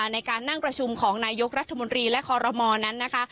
ในการนั่งประชุมของนายกรัฐมนตรีและคอรมอนั้นนะคะ